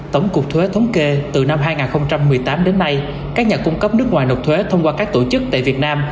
tổng cục thuế thống kê từ năm hai nghìn một mươi tám đến nay các nhà cung cấp nước ngoài nộp thuế thông qua các tổ chức tại việt nam